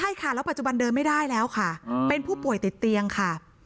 ใช่ค่ะแล้วปัจจุบันเดินไม่ได้แล้วค่ะเป็นผู้ป่วยติดเตียงค่ะ